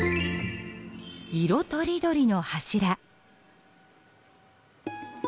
色とりどりの柱。